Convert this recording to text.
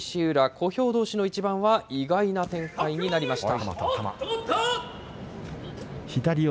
小兵どうしの一番は意外な展開になりました。